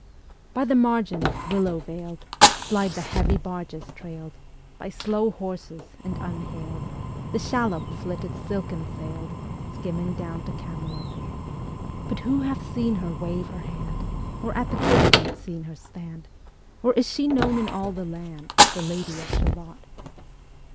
By the margin, willow veil'd, Slide the heavy barges trail'd By slow horses; and unhail'd The shallop flitteth silken sail'd Ā Ā Skimming down to Camelot: But who hath seen her wave her hand? Or at the casement seen her stand? Or is she known in all the land, Ā Ā The Lady of Shalott?